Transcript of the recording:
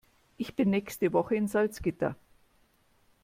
Ich bin nächste Woche in Salzgitter